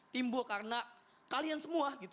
timbul karena kalian semua